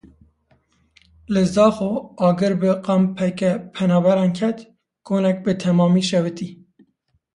Li Zaxo agir bi kampeke penaberan ket, konek bi temamî şewitî.